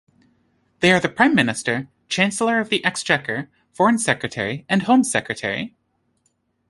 They are the Prime Minister, Chancellor of the Exchequer, Foreign Secretary and Home Secretary.